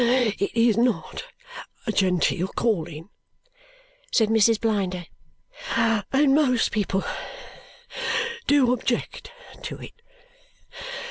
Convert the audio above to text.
It is NOT a genteel calling," said Mrs. Blinder, "and most people do object to it.